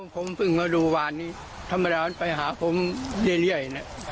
ผมเพิ่งมาดูวานนี้ธรรมดาไปหาผมเรื่อยนะ